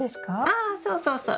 ああそうそうそう。